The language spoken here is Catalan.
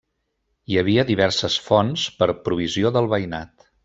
Hi havia diverses fonts per a provisió del veïnat.